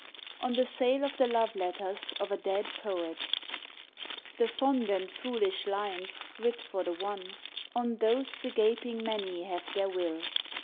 26 ON THE SALE OF THE LOVE LETTERS OF A DEAD POET The fond and foolish lines writ for the one On those the gaping many have their will.